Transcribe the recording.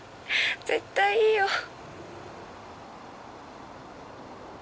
絶対いいよ。